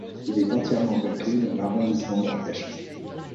Il est entièrement inclus dans l'arrondissement d'Arcachon.